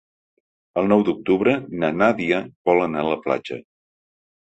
El nou d'octubre na Nàdia vol anar a la platja.